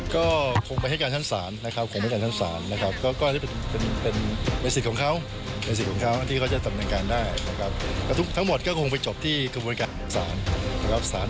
ก็คงไปให้การชั้นศาลนะครับเขาตามการที่ทั้งหมดก็คงไปจบที่กระบวนการของข้าขาดสภาพสาร